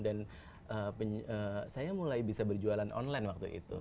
dan saya mulai bisa berjualan online waktu itu